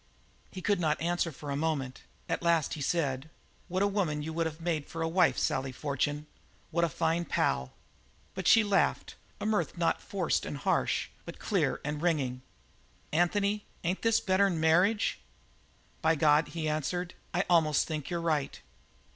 He could not answer for a moment. At last he said: "What a woman you would have made for a wife, Sally Fortune; what a fine pal!" But she laughed, a mirth not forced and harsh, but clear and ringing. "Anthony, ain't this better'n marriage?" "By God," he answered, "I almost think you're right."